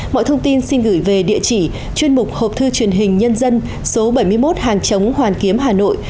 mọi thông tin xin gửi về địa chỉ chuyên mục hộp thư truyền hình nhân dân số bảy mươi một hàng chống hoàn kiếm hà nội